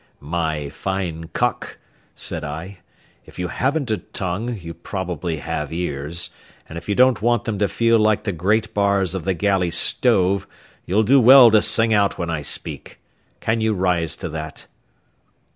"My fine cock," said I, "if you haven't a tongue, you probably have ears, and if you don't want them to feel like the grate bars of the galley stove, you'll do well to sing out when I speak. Can you rise to that?"